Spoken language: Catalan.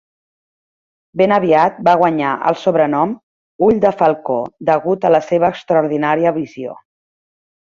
Ben aviat va guanyar el sobrenom "Ull de falcó" degut a la seva extraordinària visió.